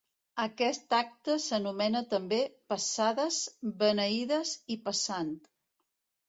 Aquest acte s'anomena també Passades, Beneïdes i Passant.